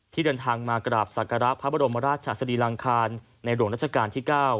เดินทางมากราบศักระพระบรมราชสรีลังคารในหลวงราชการที่๙